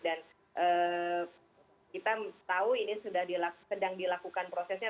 dan kita tahu ini sedang dilakukan prosesnya